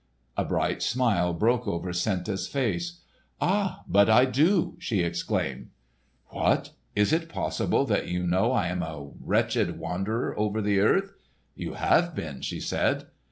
A bright smile broke over Senta's face. "Ah, but I do!" she exclaimed. "What! Is it possible that you know I am a wretched wanderer over the earth——" "You have been," she said.